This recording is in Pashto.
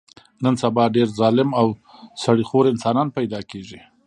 نن سبا ډېر ظالم او سړي خور انسانان پیدا کېږي.